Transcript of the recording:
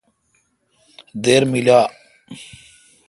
دیر میلا۔